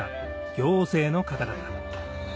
行政の方々